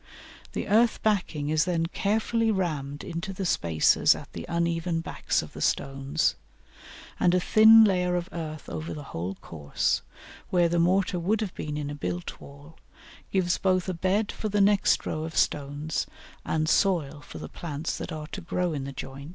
The earth backing is then carefully rammed into the spaces at the uneven backs of the stones, and a thin layer of earth over the whole course, where the mortar would have been in a built wall, gives both a "bed" for the next row of stones and soil for the plants that are to grow in the joints.